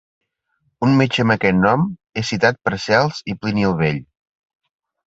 Un metge amb aquest nom és citat per Cels i Plini el Vell.